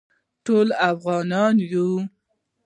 ټول افغانان یو